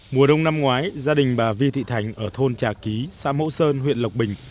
mùa đông năm ngoái gia đình bà vi thị thành ở thôn trà ký xã mẫu sơn huyện lộc bình